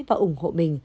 và ủng hộ mình